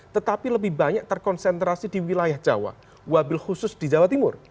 tetapi lebih banyak terkonsentrasi di wilayah jawa wabil khusus di jawa timur